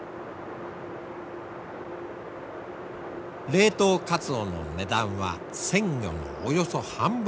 冷凍カツオの値段は鮮魚のおよそ半分。